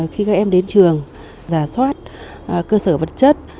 khi các em đến trường giả soát cơ sở vật chất